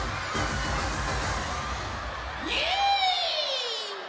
イエーイ！